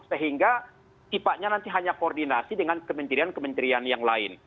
sehingga sifatnya nanti hanya koordinasi dengan kementerian kementerian yang lain